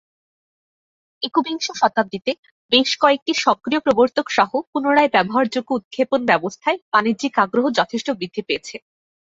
একবিংশ শতাব্দীতে, বেশ কয়েকটি সক্রিয় প্রবর্তক সহ পুনরায় ব্যবহারযোগ্য উৎক্ষেপণ ব্যবস্থায় বাণিজ্যিক আগ্রহ যথেষ্ট বৃদ্ধি পেয়েছে।